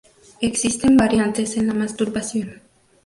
Existen variantes en la masturbación.